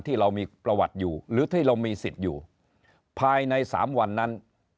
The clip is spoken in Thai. ที่เรามีประวัติอยู่หรือที่เรามีสิทธิ์อยู่ภายใน๓วันนั้น